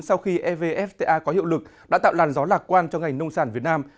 sau khi evfta có hiệu lực đã tạo làn gió lạc quan cho ngành nông sản việt nam